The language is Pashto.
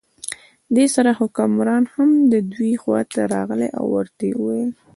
دې سره حکمران هم د دوی خواته راغی او ورته یې وویل.